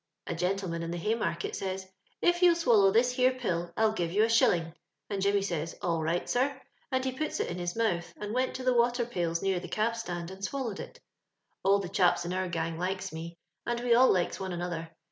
A gentleman in the Haymarket says— * If you'll swallow this here pill I'll give you a shilling;' and Jimmy says, * All right, sir ;' and he puts it in his mouth, and went to the water pails near the cab stand and swallowed it. " All the chaps in our gang likes me, and we all likes one another.